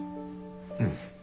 うん。